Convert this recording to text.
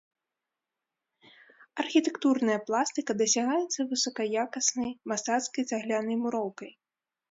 Архітэктурная пластыка дасягаецца высакаякаснай мастацкай цаглянай муроўкай.